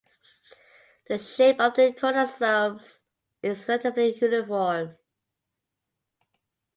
The shape of the chromosomes is relatively uniform.